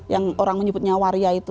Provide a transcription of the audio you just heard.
yang orang menyebutnya waria itu